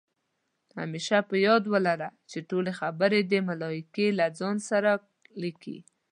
همېشه په یاد ولره، چې ټولې خبرې دې ملائکې له ځان سره لیکي